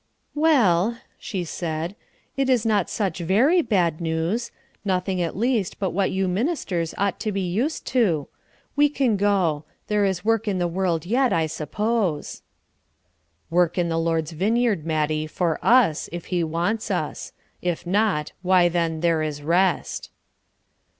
"Well," she said, "it is not such very bad news; nothing, at least, but what you ministers ought to be used to. We can go. There is work in the world yet, I suppose." "Work in the Lord's vineyard, Mattie, for us, if he wants us. If not, why then there is rest."